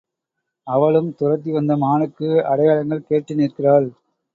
அவளும் துரத்தி வந்த மானுக்கு அடையாளங்கள் கேட்டு நிற்கிறாள்.